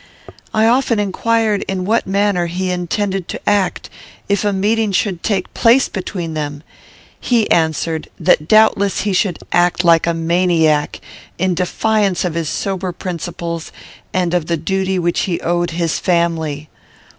I often inquired in what manner he intended to act if a meeting should take place between them. He answered, that doubtless he should act like a maniac, in defiance of his sober principles, and of the duty which he owed his family.